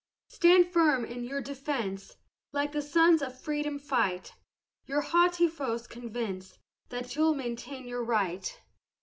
Stand firm in your defence, Like Sons of Freedom fight, Your haughty foes convince That you'll maintain your right.